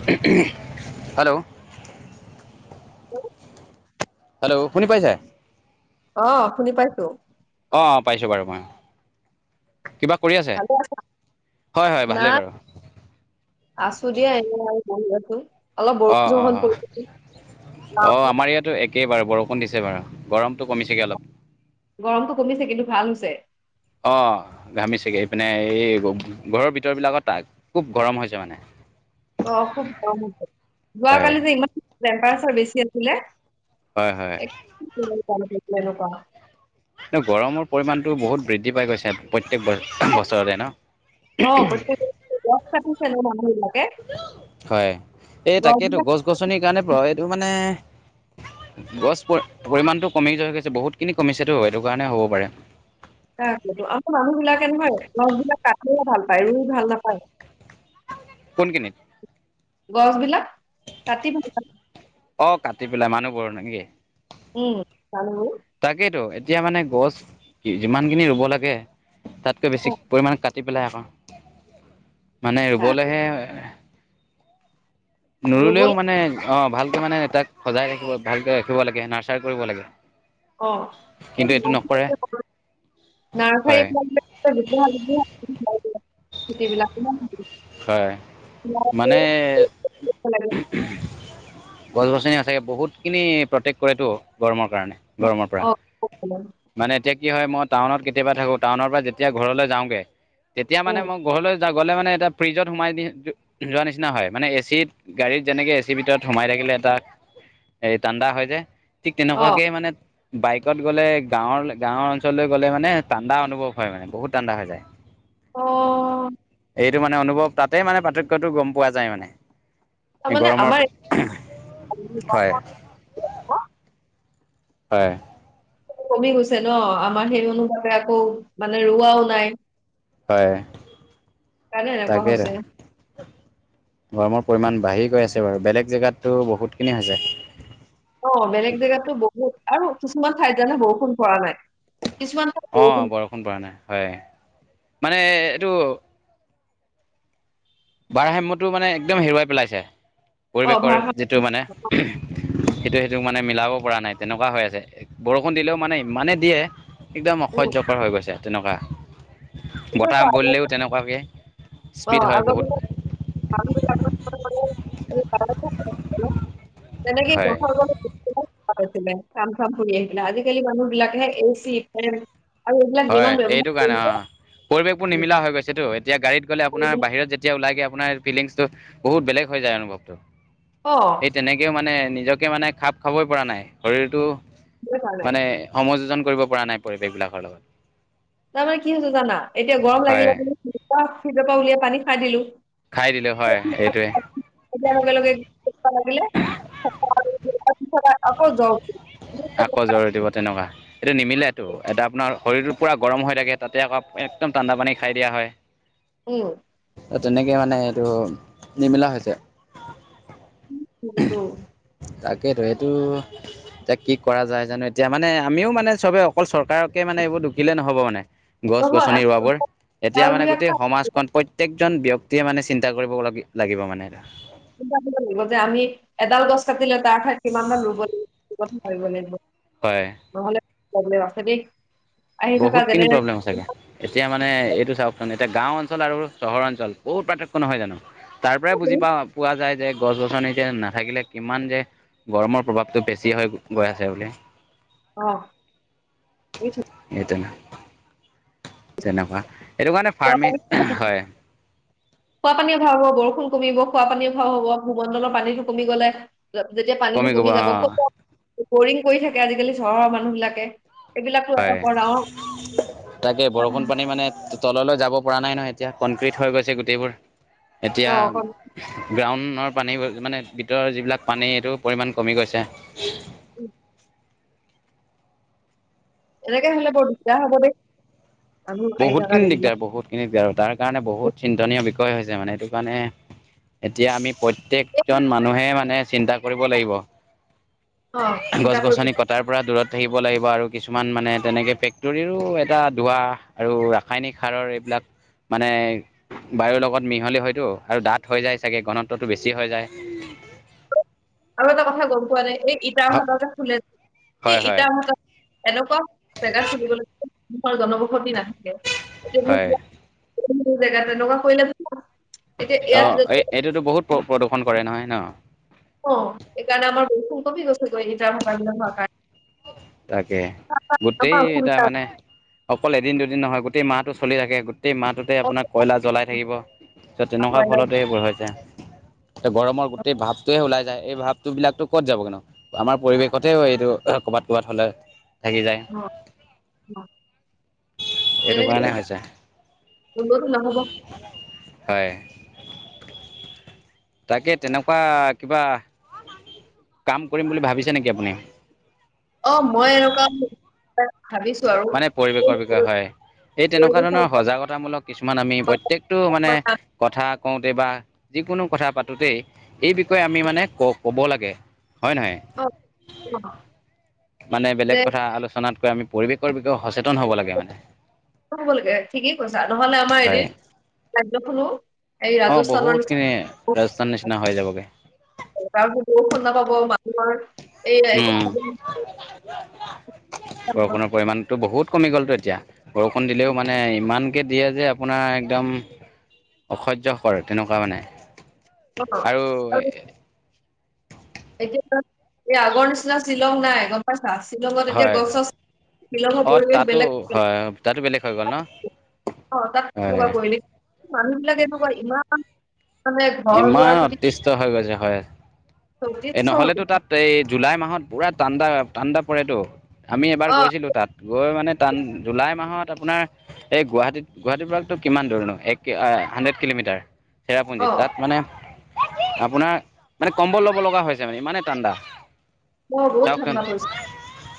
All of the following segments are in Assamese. [unintelligible] হেল্ল'। [unintelligible] হেল্ল' শুনি পাইছে? অঁ' শুনি পাইছোঁ। অঁ' পাইছোঁ বাৰু মই। কিবা কৰি আছে? ভালে আছা, হয় হয় না ভালেই বাৰু আছো দিয়া এনেই আৰু বহি আছোঁ, অলপ অঁ অঁ বৰষুণ-চৰষুণ অঁ পৰি অঁ [unintelligible] আমাৰ এইয়াতো এ একেই বাৰু বৰষুণ দিছে বাৰু গৰমটো কমিছেগৈ অলপ। গৰমটো কমিছে কিন্তু ভাল হৈছে। অঁ' ঘামিছেগে, এইপিনে এই ঘৰৰ ভিতৰ বিলাকত তাক খুব গৰম হৈছে মানে। [unintelligible] অঁ' খুব গৰম হৈছে। হয় যোৱকালি যে ইমান টেম্পাৰচাৰ বেছি আছিলে। হয় হয়। [unintelligible] মানে গৰমৰ পৰিমাণটো বহুত বৃদ্ধি পাই গৈছে প্ৰত্যেক বছৰতে ন'। অঁ', প্ৰতেক বছৰে, গছ কাটিছে বহুত মানুহ বিলাকে। হয়। এই গছ তাকেইটো বিলাক গছ-গছনিৰ কাৰণে প' এইটো মানে- গছ পৰি-পৰিমণতটো কমি গৈছে বহুতখিনি কমিছেতো সেইটো কাৰণে হ'ব পাৰে। তাৰ আ-আমাৰ মানুহবিলাকে নহয় গছবিলাক কাটি হে ভাল পায় ভাল, ৰুই ভাল নাপায়। [unintelligible] কোন খিনিত? গছ বিলাক কাটি ভাল অঁ', কাটি পেলাই মানুহবোৰ নেকি। উমঁ, মানুহবোৰ। তাকেতো, এতিয়া মানে গছ যিমানখিনি ৰুব লাগে তা'তকৈ বেছি পৰিমানে কাটি- পেলাই আকৌ। মানে অ ৰুবলৈ হে- ৰুবলৈ নুৰুলেও মানে অঁ', ভালকে মানে তাক সজাই ৰাখিব ভালকে ৰাখিব লাগে নাৰ্চাৰি কৰিব লাগে। অঁহ', কিন্তু এই এইটো নকৰে হয় নাৰ্চাৰি [unintelligible] খেতি বিলাক [unintelligible] হয়, মানে গছ-গছনি সঁচাকে বহুতখিনি প্ৰটেক্ট কৰেতটো গৰমৰ কাৰণে। গৰমৰ পৰা- অ', মানে এতিয়া কি হয় মই টাউনত কেতিয়াবা থাকো টাউনৰ পৰা যেতিয়া ঘৰলৈ যাওঁ গে- তেতিয়া মানে উম, মই ঘৰলৈ গ'লে মানে এটা ফ্ৰিজত সোমাই দি যোৱা নিচিনা হয়, মানে এ চিত- গাড়ীত যেনেকে এ চিৰ ভিতৰত সোমাই থাকিলে এটা ঠাণ্ডা হয় যে- ঠিক অ', তেনেকুৱাকে মানে- বাইকত গ'লে গাঁৱৰ-গাঁৱৰ অঞ্চললৈ গ'লে মানে ঠাণ্ডা অনুভৱ হয় মানে বহুত টাণ্ডা হৈ যায়। অ। এইটো মানে অনুভৱ তাতেই মানে পাৰ্থক্যটো গম পোৱা যায় মানে। তাৰমানে গৰমৰ আমাৰ হয়। হয়। কমি গৈছে ন' আমাৰ সেই অনুভাৱে আকৌ মানে ৰোৱাও নাই। হয়, কাৰণে এনেকুৱা তাকে। হৈছে গৰমৰ পৰিমাণ বাঢ়ি গৈ আছে বাৰু, বেলেগ জেগাতো বহুতখিনি হৈছে। অঁ', বেলেগ জেগাতো বহুত আৰু কিছুমান ঠাইত জানা বৰষুণ পৰা নাই। কিছুমান ঠাইত অঁ', -বৰষুণ পৰা নাই হয়। মানে এইটো- বাৰসাইমটো মানে একদম হেৰুৱাই পেলাইছে, অ', পৰিৱেশৰ ভাৰসাম্য যিটো মানে- সেইটোৱে সেইটোক মানে মিলাব পৰা নাই তেনেকুৱা হৈ আছে। বৰষুণ দিলেও মানে ইমানেই দিয়ে একদম উম, অসহ্যকৰ হৈ গৈছে তেনেকুৱা। বতাহ এইটোৱেতো আগত বলিলেও তেনেকুৱাকৈ স্পীড অ', হয় আগৰ বহুত। দিনত তেনেকে [unintelligible] হয় [unintelligible] কাম-চাম হৈ আহিছিলে, আজিকালি মানুহ বিলাকে এ চি ফেন আৰু এইবিলাক হয়, যিমান ব্যৱহাৰ এইটো কাৰণে অঁ', পৰিৱেশবোৰ নিমিলা হৈ গৈছে তো। তেতিয়া গাড়ীত গ'লে আপোনাৰ কৰিছে বাহিৰত যেতিয়া ওলাইগৈ আপোনাৰ ফিলিংছটো বহুত বেলেগ হৈ যায় অনুভৱটো। অ'। তেনেকৈও মানে নিজকে মানে খাপ খাবই পৰা নাই শৰীৰটো সেইটো কাৰণে মানে- সমযোজন কৰিব পৰা নাই পৰিৱেশবিলাকৰ লগত। তাৰমানে কি হৈছে জানা এতিয়া গৰম হয় লাগিলে টো ফ্ৰীজৰ পৰা উলিয়াই পানী খাই দিলো। খাই দিলো হয় এইটোৱে। [unintelligible] [inaudible] আকৌ জৰে দিব তেনকা। এইটো নিমিলেতো, এতিয়া আপোনাৰ শৰীৰটো পূৰা গৰম হৈ থাকে তাতে আকৌ একদম ঠাণ্ডা পানী খাই দিয়া হয়। উম। তেনেকে মানে সেইটো নিমিলা হৈছে। সেইটো তাকেইতো সেইটো এতিয়া কি কৰা যায় জানো এতিয়া মানে আমিও মানে চবে অকল চৰকাৰকে মানে এইবোৰ দোষীলে নহ'ব মানে। নহয় গছ-গছনি আমি ৰোৱাবোৰ এতিয়া মানে গাঁৱলীয়া গোটেই কাম সমাজখন প্ৰত্যেকজন ব্যক্তিয়ে মানে চিন্তা কৰিব ল লাগিব মানে। লাগিব যে, আমি এডাল গছ কাটিলে তাৰ ঠাইত কিমানটা ৰুব লাগিব, লাগিব হয় নহলে প্ৰব্লেম আছে দেই। আহি থাকা বহুতখিনি বেলেগ প্ৰব্লেম সঁচাকে এতিয়া মানে এইটো চাওকচোন, এতিয়া গাঁও অঞ্চল আৰু চহৰ অঞ্চল বহুত পাৰ্থক্য নহয় জানো। তাৰ পৰাই বুজি পাও, পোৱা যায় যে। গছ-গছনি যে নাথাকিলে কিমান যে গৰমৰ প্ৰভাৱটো বেছি হৈ গৈ আছে বুলি। অ'। তুমি সেইটোৱে ন। তেনেকুৱা। সেইটো কাৰণে ফাৰ্মিং হয় [unintelligible] খোৱা পানী অভাৱ হ'ব, বৰষুণ কমিব, খোৱা পানী অভাৱ হ'ব, ভূমণ্ডলৰ পানীটো কমি গ'লে। যেতিয়া পানীটো গ'ব কমি অ যাব, বৰিং কৰি থাকে আজিকালি চহৰৰ মানুহ বিলাকে। এইবিলাকো এটা হয়, বৰ ডাঙৰ তাকে বৰষুণ পানী মানে তললৈ যাব পৰা নাই নহয় এতিয়া, কনক্ৰিট হৈ গৈছে গোটেইবোৰ। এতিয়া অ', কম- গ্ৰাউণৰ পানী মানে ভিতৰৰ যিবিলাক পানী এইটো পৰিমাণ কমি গৈছে। [unintelligible] এনেকে হ'লে বৰ দিগদাৰ হব দেই। মানুহ আহি থকা বহুতখিনি দিনবিলাক। দিগদাৰ, বহুতখিনি দিগদাৰ তাৰ কাৰণে বহুত চিন্তনীয় বিষ ষয় হৈছে মানে, এইটো কাণে এতিয়া আমি প্ৰত্যক জন মানুহে মানে চিন্তা কৰিব লাগিব। অ', চিন্তা কৰিব গছ-গছনি কট টাৰ পৰা দূৰত থাকিব লাগিব আৰু কিছুমান মানে তেনেকে ফেক্টৰীৰো এটা দুৱা আৰু ৰাসায়নিক সাৰৰ এইবিলাক মানে বায়ুৰ লগত মিহলি হয়তো আৰু ডাঠ হৈ যায় চাগে ঘনত্বটো বেছি হৈ যায়। আৰু এটা কথা গম পোৱা নাই, এই ইটাৰ হয় ভাটা যে খোলে যে, এই হয় হয় ইটাৰ ভাটা এনেকুৱা জেগাত চলিবলৈ মানুহৰ জনবসতি নাথাকে। হয় মোৰ জেগাত এনেকুৱা কৰিলে এতিয়া ইয়াত অ' এই এইটোতো বহুত প্ৰদূষণ কৰে নহয় ন। অ' এইকাৰণে আমাৰ [unintelligible] গৈছে গৈ ইটাৰ ভাটা বিলাক হোৱাৰ কাৰণে। তাকে, গোটেই আমাৰ ইটা অসুবিধা মানে অকল এদিন দুদিন নহয় গোটেই মাহটো চলি থাকে। গোটেই মাহটো তে আপোনাৰ কয়লা জ্বলাই থাকিব চ তেনেকুৱা নহয় ন ফলতে এইবোৰ হৈছে। গৰমৰ গোটেই ভাৱটোৱে ওলাই যায় এই ভাৱ বস্তু বিলাকতো ক'ত যাব গে নো? আমাৰ পৰিৱেশতে এইটো ক'বাত ক'বাত হ'লে। থাকি যায় [unintelligible] এইটো কাৰণে হৈছে [unintelligible] হয়। তাকে তেনেকুৱা কিবা কাম কৰিম বুলি ভাবিছে নেকি আপুনি? অ', মই এনেকুৱা [unintelligible] ভাবিছোঁ। মানে পৰিৱেশৰ বিষয়ে হয়। এই তেনেকুৱা ধৰণৰ সজাগতামূলক কিছুমান আমি প্ৰত্যেকটো মানে কথা কওঁতে বা যিকোনো কথা পাতোতেই এই বিষয়ে আমি মানে ক-ক'ব লাগে। হয় নহয়? অ', অ'। মানে বেলেগ কথা আলোচনাতকৈ আমি পৰিৱেশৰ বিষয়ে সচেতন হ'ব লাগে মানে। হ'ব লাগে ঠিকেই কৈছা নহ'লে আমাৰ এদিন হয় ৰাজ্যখনো এই অ', ৰাজস্থানৰ বহুত নিচিনা খিনি ৰাজস্থান নিচিনা হৈ যাবগে। উম। [unintelligible] ইচ্ছা বৰষুণৰ পৰিমণতটো বহুত কমি গ'লতো এতিয়া বৰষুণ দিলেও মানে ইমান দিয়ে যে আপোনাৰ একদম অসহ্যকৰ তেনেকুৱা মানে। নকৰে ন। আৰু এতিয়া এই আগৰ নিচিনা শ্বিলং নাই। গ'ম পাইছা শ্বিলঙত এতিয়া হয় গছ-চছ শ্বিলঙৰ অ পৰিৱেশ তাতো বেলেগ [unintelligible] হয় তাতো বেলেগ হৈ গ'ল ন'? অ', তাত হয় তেনেকুৱা কৰিলি মানুহ বিলাক এনেকুৱা ইমান মানে ঘৰ দুৱাৰ ইমান প্ৰতি অতিষ্ট হৈ গৈছে হয়, এই সতীৰ্থ নহ'লেতো তাত এই জুলাই মাহত পুৰা ঠাণ্ডা ঠাণ্ডা পৰেতো, আমি এবাৰ অ গৈছিলো তাত। গৈ মানে টান জুলাই মাহত আপোনাৰ এই গুৱাহাটীত গুৱাহাটীৰ পৰাতো কিমান দূৰনো এক হানড্ৰেড কিলোমিটাৰ চেৰা অ তাত মানে আপোনাৰ মানে কম্বল ল'ব লগা হৈছে মানে ইমানে ঠাণ্ডা। মই বহুত চাওকচোন। ঠাণ্ডা পৰিছে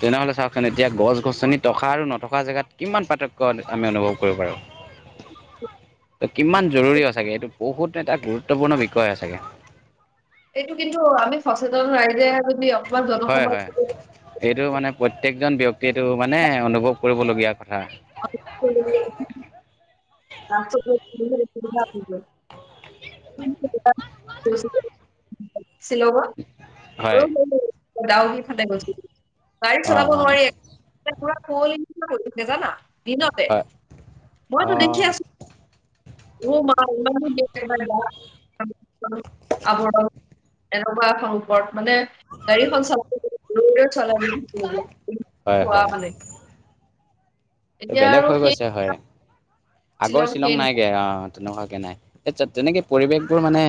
তেনেহ'লে চাওকচোন এতিয়া গছ-গছনি থকা আৰু নথকা জেগাত কিমান পাৰ্থক্য আমি অনুভৱ কৰিব পাৰো। [inaudible] ত' কিমান জৰুৰী চাগে এইটো বহুত এটা গুৰুত্বপূৰ্ণ বিষয় হৈছেগে। এইটো কিন্তু আমি সচেতন ৰাইজে যদি অকমান হয় জনসমগ হয় এইটো মানে প্ৰত্যেকজন ব্যক্তিয়টো মানে অনুভৱ কৰিবলগীয়া কথা। [unintelligible] [unintelligible] শ্বিলংত। হয় [unintelligible] দাওকি ফালে গৈছিল বাইক অঁ চলাব অঁ নোৱাৰি [unintelligible] [unintelligible] জানা দিনত। হয়, অ'। [unintelligible] এনেকুৱা এখন ওপৰত মানে হয় হয় [unintelligible] এতিয়া বেলেগ আৰু হৈ সেই গৈছে হয়, আগৰ শ্বিলং নাইগে অ'। তেনেকুৱাকে নাই তত তেনেকে পৰিৱেশবোৰ মানে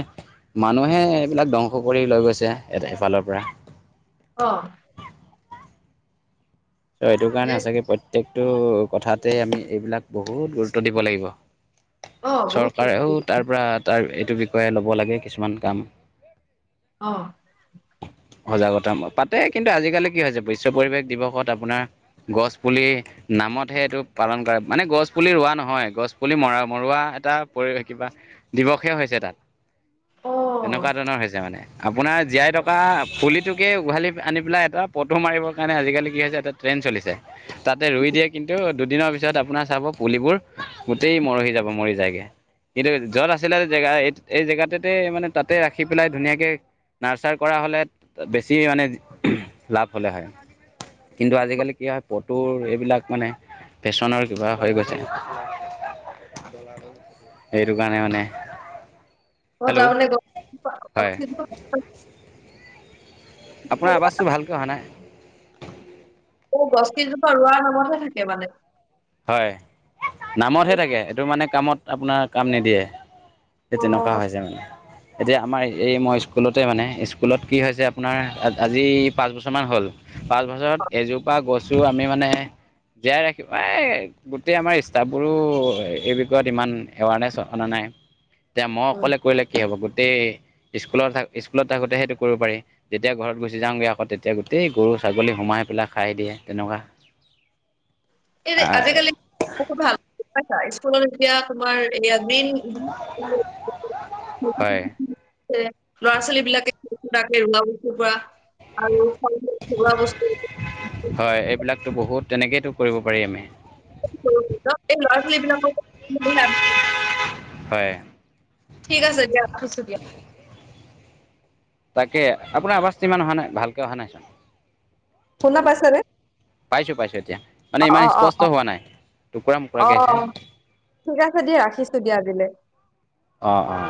মানুহে এইবিলাক ধ্বংস কৰি লৈ গৈছে এফালৰ পৰা। অ'। ত' এইটো এ কাৰণে সঁচাকে প্ৰত্যেকটো কথাতে আমি এইবিলাক বহুত গুৰুত্ব দিব লাগিব। অ বহুত চৰকাৰেও তাৰ পৰা তাৰ এইটো বিষয়ে ল'ব লাগে কিছুমান কাম। অ'। সজাগতা পাতে, কিন্তু আজিকালি কি হৈছে বিশ্ব পৰিৱেশ দিৱসত আপোনাৰ গছ-পুলি নামতহে এইটো পালন কৰে, মানে গছ-পুলি ৰোৱা নহয় গছ-পুলি মৰা মৰোৱা এটা পৰিৱেশ কিবা দিৱসে হৈছে তাত, অ তেনেকুৱা ধৰণৰ হৈছে মানে আপোনাৰ জীয়াই থকা [unintelligible] পুলিটোকে উঘালি আনি পেলাই এটা ফটো মাৰিবৰ কাৰণে আজিকালি কি হৈছে এটা ট্ৰেণ্ড চলিছে। তাতে ৰুই দিয়ে কিন্তু দুদিনৰ পিছত আপোনাৰ চাব পুলিবোৰ গোটেই মৰহি যাব, মৰি যায়গে। কিন্তু য'ত আছিলে জেগা এই এই জেগাটোতে মানে তাতে ৰাখি পেলাই ধুনীয়াকে নাৰ্চাৰ কৰা হ'লে বেছি মানে লাভ হ'লে হয়। কিন্তু আজিকালি কি হয়, ফটো এইবিলাক মানে ফেশ্বনৰ কিবা হৈ গৈছে। [inaudible] সেইটো কাৰণে মানে অ', হেল্ল' তাৰ মানে হয় [unintelligible] আপোনাৰ আৱাজটো ভালকৈ আহা নাই। এই গছ কেইজোপা ৰোৱাৰ সময়তহে থাকে মানে। হয়, নামতহে থাকে এইটো মানে কামত আপোনাৰ কাম নিদিয়ে। সেই অ তেনেকুৱা হৈছে মানে। এতিয়া আমাৰ এই মই স্কুলতে মানে, স্কুলত কি হৈছে আপোনাৰ আজি পাঁচ বছৰমান হ'ল। পাঁচ বছৰত এজোপা গছো আমি মানে জীয়াই ৰাখি প্ৰায় গোটেই আমাৰ ষ্টাফবোৰো এই বিষয়ত ইমান এৱাৰনেছ অনা নাই। এতিয়া মই উম। অকলে কৰিলে কি হ'ব, গোটেই স্কুলত থাকো স্কুলত থাকোতে সেইটো কৰিব পাৰি। যেতিয়া ঘৰত গুচি যাওঁগে আকৌ তেতিয়া গোটেই গৰু-ছাগলী সোমাই পেলাই খাই দিয়ে তেনেকুৱা। এই আজিকালি [unintelligible] ভাল পছা স্কুলত যেতিয়া তোমাৰ এইয়া মেইন হয়। ল'ৰা-ছোৱালী বিলাকে [unintelligible] আৰু [unintelligible] ঘৰুৱা বস্তু। হয়, এইবিলাকতো বহুত তেনেকেইতো কৰিব পাৰি আমি। [unintelligible] লৰা-ছোৱালি বিলাকেতো [unintelligible] হয়। ঠিক আছে দিয়া, ৰাখিছো দিয়া। তাকে আপোনাৰ আৱাজটো ইমান অহা নাই, ভালকে অহা নাই। শুনা পাইছানে? পাইছো পাইছো এতিয়া, মানে অ', ইমান অ', অ', স্পষ্ট হোৱা নাই টুকুৰা মুকুৰাকে আছে। অ', ঠিক আছে দিয়া, ৰাখিছো দিয়া আজিলে। অ', অ'।